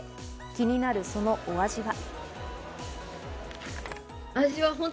気になるそのお味は。